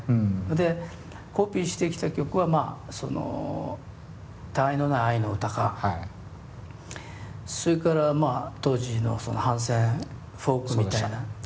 でコピーしてきた曲はまあそのたあいのない愛の歌かそれからまあ当時のその反戦フォークみたいな。